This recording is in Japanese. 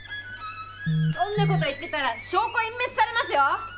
そんなこと言ってたら証拠隠滅されますよ！